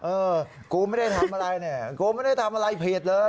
เออกูไม่ได้ทำอะไรเนี่ยกูไม่ได้ทำอะไรผิดเลย